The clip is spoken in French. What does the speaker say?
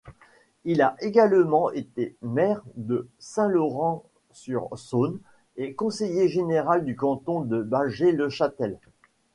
Il a également été maire de Saint-Laurent-sur-Saône et conseiller général du canton de Bâgé-le-Châtel.